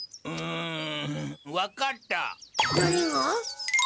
うん分かった。